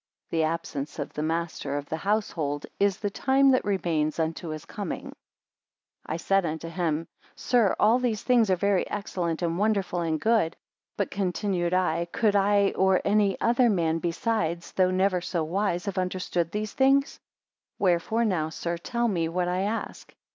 The absence of the master of the household, is the time that remains unto his coming. 48 I said unto him, Sir, all these things are very excellent, and wonderful, and good. But, continued I, could I or any other man besides, though never so wise, have understood these things? 49 Wherefore now, sir, tell me, what I ask.